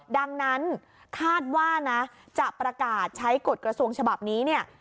ดังนั้นคาดว่านะจะประกาศใช้กฎกระทรวงฉบับนี้เนี่ย